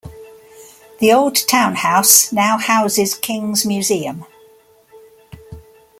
The Old Town House now houses King's Museum.